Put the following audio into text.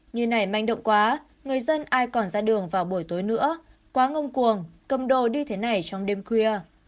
như này manh động quá người dân ai còn ra đường vào buổi tối nữa quá ngông cuồng cầm đồ như thế này trong đêm khuya